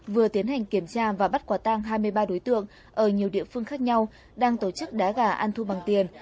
vừa tiến hành kiểm tra và bắt quả tang hai mươi ba đối tượng ở nhiều địa phương khác nhau đang tổ chức đá gà ăn thu bằng tiền